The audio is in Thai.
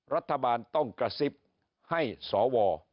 รัฐบาลต้องกระซิบให้สว